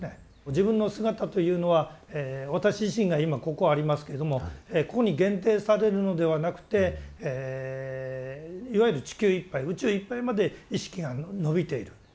自分の姿というのは私自身が今ここありますけどもここに限定されるのではなくていわゆる地球いっぱい宇宙いっぱいまで意識がのびている。